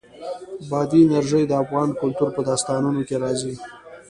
بادي انرژي د افغان کلتور په داستانونو کې راځي.